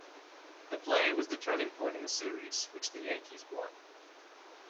The play was the turning point in the series, which the Yankees won.